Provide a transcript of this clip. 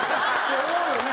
思うよね？